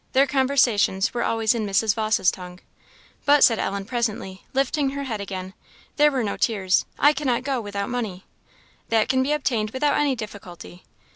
(Their conversations were always in Mrs. Vawse's tongue.) "But," said Ellen, presently, lifting her head again (there were no tears) "I cannot go without money." "That can be obtained without any difficulty."